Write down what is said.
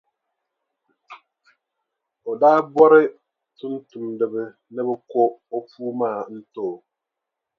O daa bɔri tumtumdiba ni bɛ ko o puu maa n-ti o.